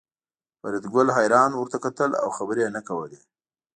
فریدګل حیران ورته کتل او خبرې یې نه کولې